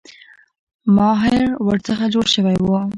ماهر ورڅخه جوړ شوی وو.